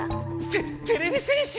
ててれび戦士⁉